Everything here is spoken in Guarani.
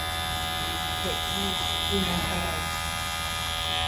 He'i kuñakarai.